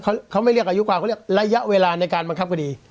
เขาไม่เรียกอายุความเขาเรียกระยะเวลาในการบังคับคดี